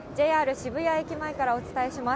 渋谷駅前からお伝えします。